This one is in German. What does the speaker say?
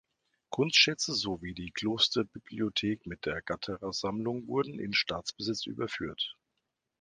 Kunstschätze sowie die Klosterbibliothek mit der Gatterer-Sammlung wurden in Staatsbesitz überführt.